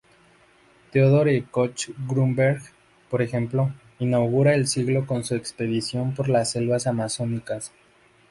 Theodore Koch-Grünberg, por ejemplo, inaugura el siglo con su expedición por las selvas amazónicas.